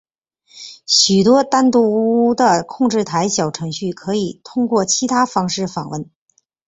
许多单独的控制台小程序可以通过其他方式访问。